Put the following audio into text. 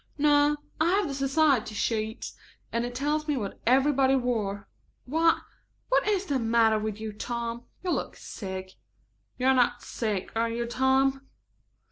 "No, I have the society sheet, and it tells what everybody wore Why, what is the matter with you, Tom? You look sick. You are not sick, are you, Tom?"